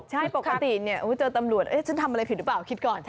ใช่ปกติเจอตำรวจฉันทำอะไรผิดหรือเปล่าคิดก่อน